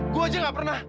gue aja gak pernah